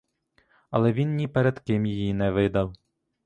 Але він ні перед ким її не видав.